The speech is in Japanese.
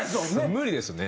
無理ですね。